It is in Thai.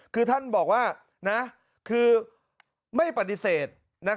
คือท่านบอกว่าคือไม่ปฏิเสธ